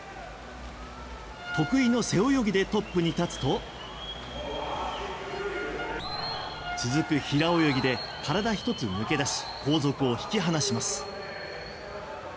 得意の背泳ぎでトップに立つと続く平泳ぎで体１つ抜け出し後続を引き離します。